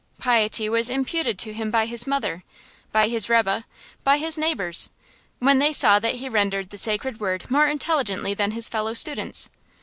Piety was imputed to him by his mother, by his rebbe, by his neighbors, when they saw that he rendered the sacred word more intelligently than his fellow students.